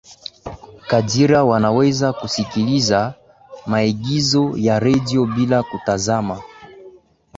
hadhira wanaweza kusikiliza maigizo ya redio bila kutazama